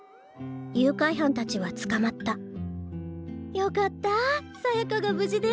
誘拐犯たちはつかまったよかったさやかが無事で。